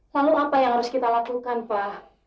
lalu apa yang harus kita lakukan pak